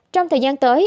trong thời gian tới